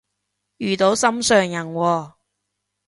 遇到心上人喎？